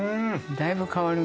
だいぶ変わるね。